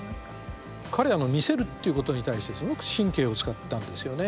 彼見せるっていうことに対してすごく神経を遣ったんですよね。